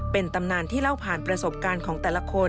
เป็นตำนานที่เล่าผ่านประสบการณ์ของแต่ละคน